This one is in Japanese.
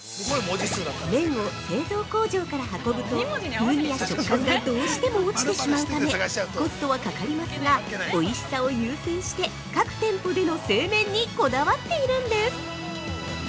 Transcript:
◆麺を製造工場から運ぶと風味や食感がどうしても落ちてしまうためコストはかかりますが、おいしさを優先して、各店舗での製麺にこだわっているんです。